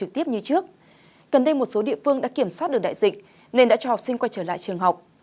trước cần đây một số địa phương đã kiểm soát được đại dịch nên đã cho học sinh quay trở lại trường học